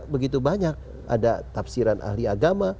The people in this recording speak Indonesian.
begitu banyak ada tafsiran ahli agama